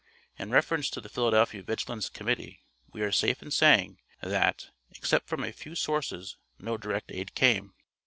In reference to the Philadelphia Vigilance Committee, we are safe in saying, that, except from a few sources, no direct aid came.